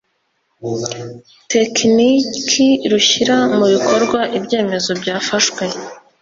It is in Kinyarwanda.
tekiniki rushyira mu bikorwa ibyemezo byafashwe